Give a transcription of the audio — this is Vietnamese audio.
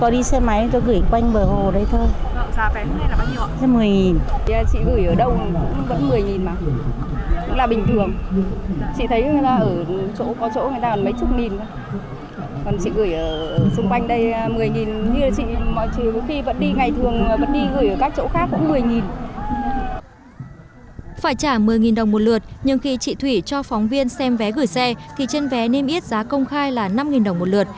phải trả một mươi đồng một lượt nhưng khi chị thủy cho phóng viên xem vé gửi xe thì trên vé niêm yết giá công khai là năm đồng một lượt